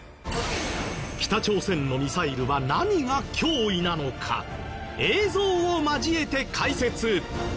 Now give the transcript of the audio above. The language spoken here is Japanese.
北朝鮮のミサイルは何が脅威なのか映像を交えて解説！